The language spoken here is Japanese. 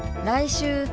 「来週」。